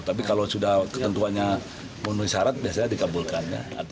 tapi kalau sudah ketentuannya menuhi syarat biasanya dikabulkan ya